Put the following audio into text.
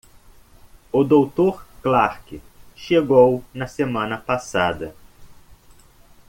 O doutor Clark chegou na semana passada.